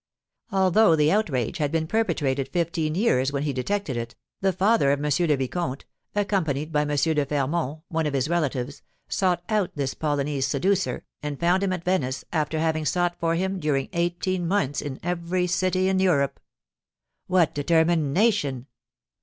Although the outrage had been perpetrated fifteen years when he detected it, the father of M. le Vicomte, accompanied by M. de Fermont, one of his relatives, sought out this Polonese seducer, and found him at Venice, after having sought for him during eighteen months in every city in Europe." "What determination!"